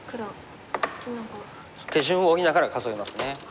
手順を追いながら数えますね。